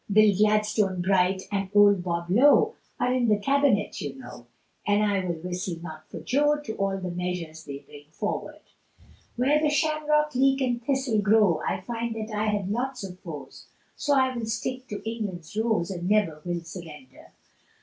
Bill Gladstone, Bright, and old Bob Lowe, Are in the Cabinet you know, And I will whistle not for Joe, To all the measures they bring forward. Where the Shamrock, Leek and Thistle grow, I find that I had lots of foes, So I will stick to England's Rose, And never will surrender.